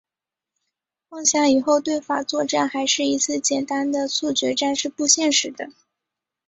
妄想以后对法作战还是一次简单的速决战是不现实的。